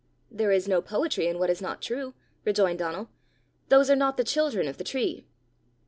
"There is no poetry in what is not true," rejoined Donal. "Those are not the children of the tree."